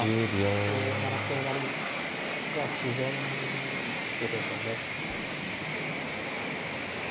５七桂成が自然ですけれども。